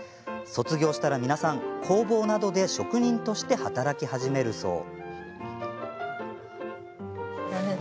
卒業したら皆さん、工房などで職人として働き始めるそう。